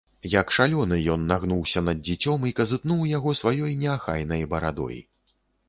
Як шалёны, ён нагнуўся над дзіцём і казытнуў яго сваёй неахайнай барадой.